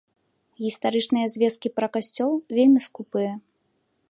Гістарычныя звесткі пра касцёл вельмі скупыя.